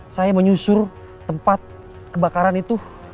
saya menyusur tempat kebakaran itu